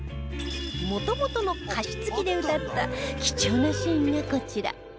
もともとの歌詞付きで歌った貴重なシーンがこちら